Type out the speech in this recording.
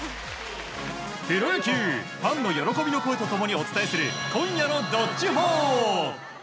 プロ野球ファンの喜びの声と共にお伝えする今夜の「＃どっちほー」。